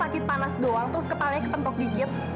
sakit panas doang terus kepalanya kepentok dikit